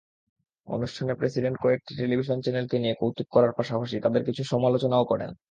অনুষ্ঠানে প্রেসিডেন্ট কয়েকটি টেলিভিশন চ্যানেলকে নিয়ে কৌতুক করার পাশাপাশি তাদের কিছু সমালোচনাও করেন।